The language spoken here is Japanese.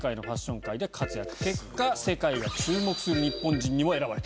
結果世界が注目する日本人にも選ばれてる。